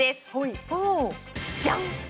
ジャン！